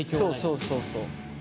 そうそうそうそう。